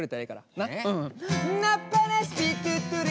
なっ。